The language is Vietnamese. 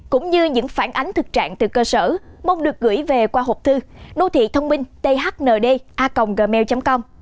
cũng như những phản ánh thực trạng từ cơ sở mong được gửi về qua hộp thư đô thịthôngminhthnda gmail com